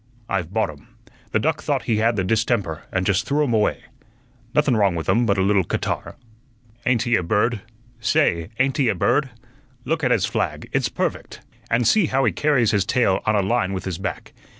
I've bought 'um. The duck thought he had the distemper, and just threw 'um away. Nothun wrong with 'um but a little catarrh. Ain't he a bird? Say, ain't he a bird? Look at his flag; it's perfect; and see how he carries his tail on a line with his back.